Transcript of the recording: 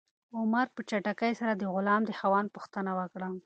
عمر په چټکۍ سره د غلام د خاوند پوښتنه وکړه.